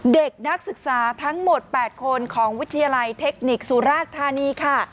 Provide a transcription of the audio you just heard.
เด็กนักศึกษาทั้งหมด๘คนของวิทยาลัยเทคนิคสุราชธานีค่ะ